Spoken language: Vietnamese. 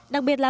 đặc biệt là